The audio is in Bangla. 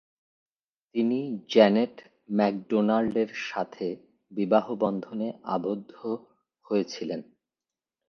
তিনি জ্যানেট ম্যাকডোনাল্ডের সাথে বিবাহবন্ধনে আবদ্ধ হয়েছিলেন।